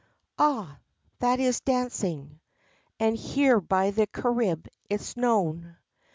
Ah! that is dancing, As here by the Carib it's known.